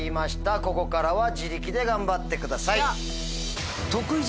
ここからは自力で頑張ってください。